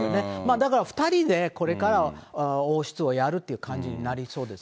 だから２人でこれから王室をやるっていう感じになりそうですね。